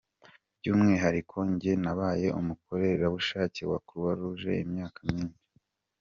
by’umwihariko njye nabaye umukorerabushake wa Croix Rouge imyaka myinshi.